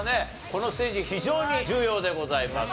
このステージ非常に重要でございます。